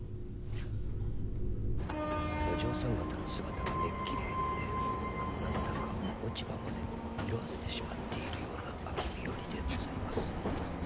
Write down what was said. お嬢さん方の姿がめっきり減って何だか落ち葉までも色あせてしまっているような秋日和でございます。